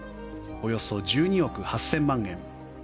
およそ１２億８０００万円。